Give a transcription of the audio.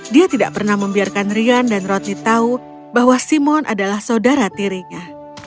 dia tidak pernah membiarkan rian dan rodni tahu bahwa simon adalah saudara tirinya